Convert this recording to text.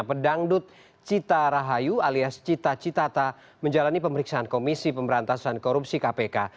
pedangdut cita rahayu alias cita citata menjalani pemeriksaan komisi pemberantasan korupsi kpk